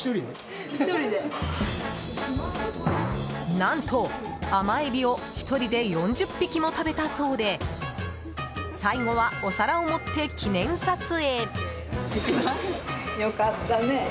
何と、甘エビを１人で４０匹も食べたそうで最後は、お皿を持って記念撮影。